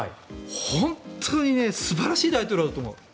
本当に素晴らしい大統領だと思う。